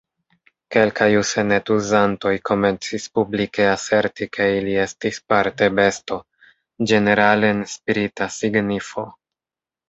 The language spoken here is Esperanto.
Kelkaj Usenet-uzantoj komencis publike aserti ke ili estis parte besto, ĝenerale en spirita signifo.